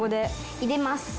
入れます。